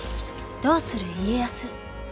「どうする家康」。